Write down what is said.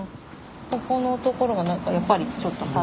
ここのところがなんかやっぱりちょっと肌